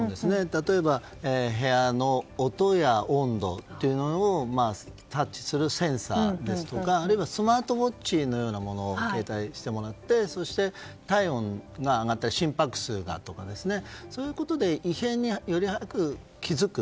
例えば、部屋の音や温度というものを察知するセンサーですとかあとはスマートウォッチのようなものを携帯してもらってそして、体温が上がったり心拍数がとかそういうことで異変により早く気付く。